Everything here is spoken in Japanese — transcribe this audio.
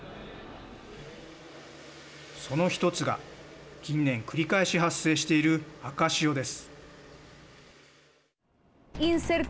その１つが近年繰り返し発生している赤潮です。